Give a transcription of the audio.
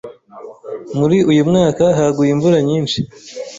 Muri uyu mwaka haguye imvura nyinshi.